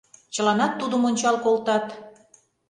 Чыланат тудым ончал колтат.